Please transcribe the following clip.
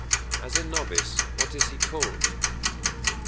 _As a novice what is he called?